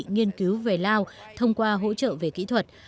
nghiên cứu về lao thông qua hỗ trợ về kỹ thuật